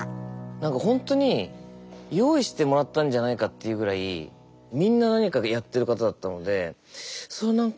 何かほんとに用意してもらったんじゃないかっていうぐらいみんな何かでやってる方だったのでそれ何か驚きましたね。